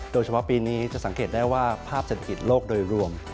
โดยเฉพาะปีนี้จะสังเกตได้ว่าภาพเศรษฐกิจโลกโดยรวม